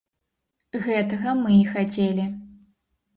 Гэтага мы і хацелі!